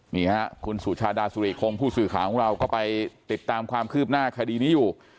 นี่ฮะคุณสุชาดาสุริคงผู้สื่อข่าวของเราก็ไปติดตามความคืบหน้าคดีนี้อยู่